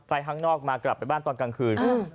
ข้างนอกมากลับไปบ้านตอนกลางคืน